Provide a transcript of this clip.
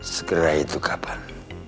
segera itu kapan